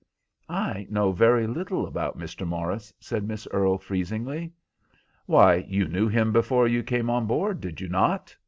"I know very little about Mr. Morris," said Miss Earle, freezingly. "Why, you knew him before you came on board, did you not?"